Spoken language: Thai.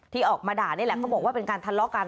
ที่ออกมาด่านี่แหละเขาบอกว่าเป็นการทะเลาะกัน